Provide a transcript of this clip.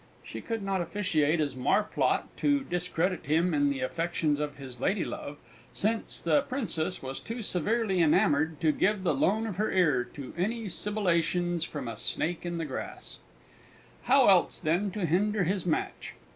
She could not officiate as Marplot to discredit him in the affections of his lady love, since the Princess was too severely enamoured to give the loan of her ear to any sibillations from a snake in grass. How else, then, to hinder his match?